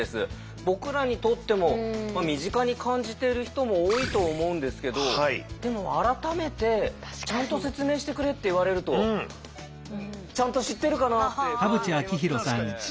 僕らにとっても身近に感じてる人も多いと思うんですけどでも改めてちゃんと説明してくれって言われるとちゃんと知ってるかなって不安になりますよね。